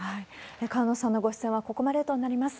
河野さんのご出演はここまでとなります。